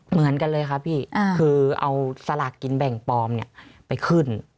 เหมือนกันเลยครับพี่คือเอาสลากกินแบ่งปลอมไปขึ้น